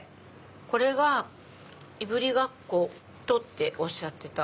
これがいぶりがっことっておっしゃってた。